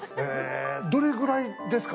どれぐらいですか？